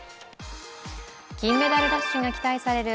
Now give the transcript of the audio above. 金メダルラッシュが期待される